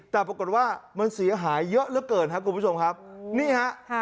แต่ปรากฏว่ามันเสียหายเยอะเหลือเกินครับคุณผู้ชมครับนี่ฮะ